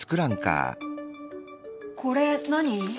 これ何？